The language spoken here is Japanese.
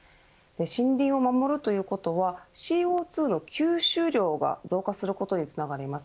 森林を守るということはＣＯ２の吸収量が増加することにつながります。